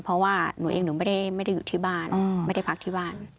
เพราะว่าหนูเองหนูไม่ได้อยู่ที่บ้านไม่ได้พักที่บ้าน